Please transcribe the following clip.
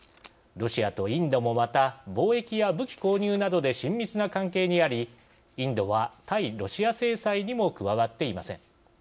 ロシアとインドもまた貿易や武器購入などで親密な関係にありインドは対ロシア制裁にも加わっていません。